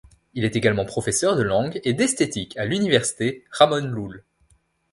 Il est également professeur de langue et d'esthétique à l'Université Ramon Llull.